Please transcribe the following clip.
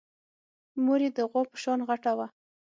مور يې د غوا په شان غټه وه.